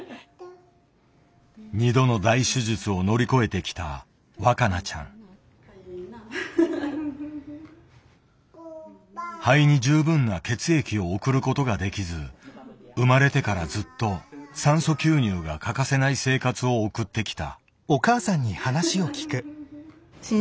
２度の大手術を乗り越えてきた肺に十分な血液を送ることができず生まれてからずっと酸素吸入が欠かせない生活を送ってきた。